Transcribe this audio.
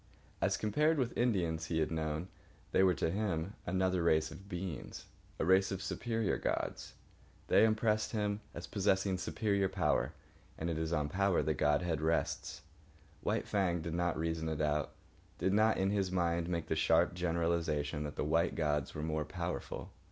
As compared with the Indians he had known, they were to him another race of beings, a race of superior gods. They impressed him as possessing superior power, and it is on power that godhead rests. White Fang did not reason it out, did not in his mind make the sharp generalisation that the white gods were more powerful.